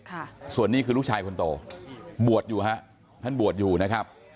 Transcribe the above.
ค่ะส่วนนี้คือลูกชายคนโตบวชอยู่ฮะท่านบวชอยู่นะครับ